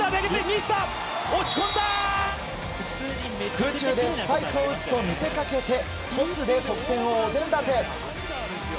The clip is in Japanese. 空中でスパイクを打つと見せかけてトスで得点をおぜん立て。